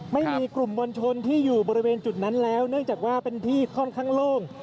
ไม่มีกลุ่มมวลชนที่อยู่บริเวณจุดนั้นแล้วเนื่องจากว่าเป็นที่ค่อนข้างโล่ง